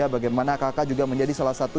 bagaimana kakak juga menjadi salah satu